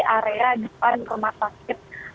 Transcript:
area gepan rumah sakit